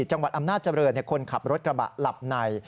จังหวัดอำนาจเจริญคนขับรถกระบะหลับใน